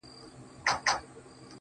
ورور مي دی هغه دی ما خپله وژني,